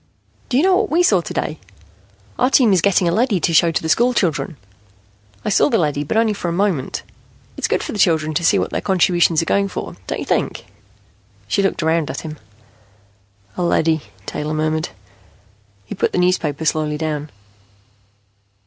"Do you know what we saw today? Our team is getting a leady to show to the school children. I saw the leady, but only for a moment. It's good for the children to see what their contributions are going for, don't you think?" She looked around at him. "A leady," Taylor murmured. He put the newspaper slowly down.